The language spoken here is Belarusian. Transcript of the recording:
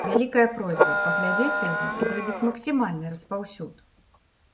Вялікая просьба паглядзець яго і зрабіць максімальны распаўсюд.